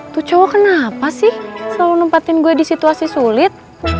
tuh cowok kenapa sih selalu nempatin gue di situasi sulit